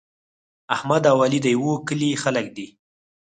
احمد او علي د یوه کلي خلک دي.